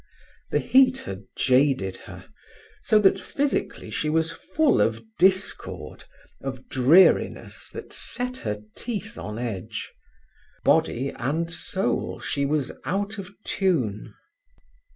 The heat had jaded her, so that physically she was full of discord, of dreariness that set her teeth on edge. Body and soul, she was out of tune.